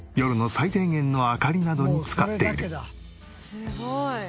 すごい。